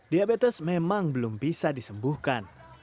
diabetes memang belum bisa disembuhkan